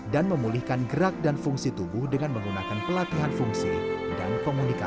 memulihkan gerak dan fungsi tubuh dengan menggunakan pelatihan fungsi dan komunikasi